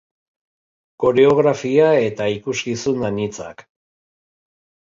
Koreografia eta ikuskizun anitzak.